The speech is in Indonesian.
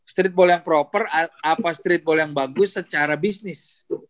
streetball yang proper apa streetball yang bagus secara bisnis